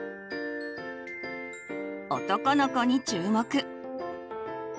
男の子に注目。